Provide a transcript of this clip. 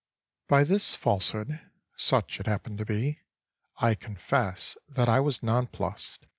By this falsehood (such it happened to be) I confess that I was nonplussed.